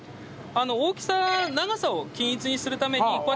大きさ長さを均一にするためにこうやって。